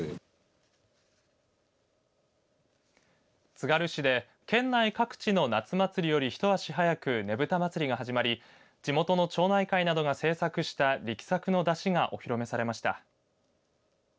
つがる市で県内各地の夏祭りより一足早くネブタまつりが始まり地元の町内会などが制作した力作の山車がお披露目されました。